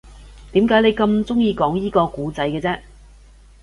點解你咁鍾意講依個故仔嘅啫